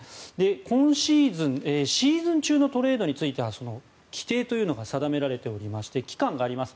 今シーズン、シーズン中のトレードについては規定が定められていまして期間があります。